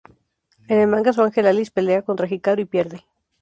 En el manga su angel Alice pelea contra Hikaru y pierde.